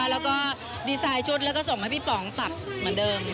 แล้วก็ดีไซน์ชุดแล้วก็ส่งให้พี่ป๋องตัดเหมือนเดิม